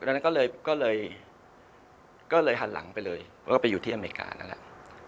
ดังนั้นก็เลยก็เลยหันหลังไปเลยแล้วก็ไปอยู่ที่อเมริกานั่นแหละ